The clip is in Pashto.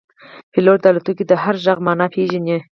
پیلوټ د الوتکې د هر غږ معنا پېژني.